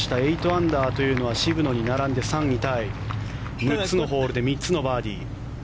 ８アンダーというのは渋野に並んで３位タイ３つのホールで３つのバーディー。